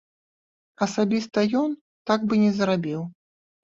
Асабіста ён так бы не зрабіў.